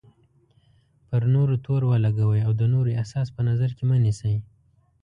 پر نورو تور ولګوئ او د نورو احساس په نظر کې مه نیسئ.